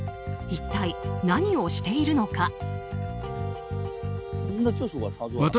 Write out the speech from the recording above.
一体何をしているのか。